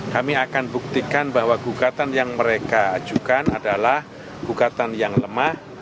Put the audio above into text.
kami akan buktikan bahwa gugatan yang mereka ajukan adalah gugatan yang lemah